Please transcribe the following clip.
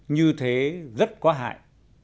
như thế rất có hại